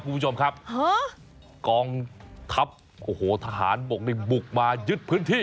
คุณผู้ชมครับกองทัพโอ้โหทหารบกนี่บุกมายึดพื้นที่